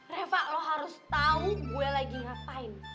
rafa lo harus tau gue lagi ngapain